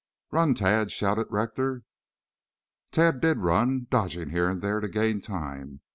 "Run, Tad!" shouted Rector. Tad did run, dodging here and there to gain time.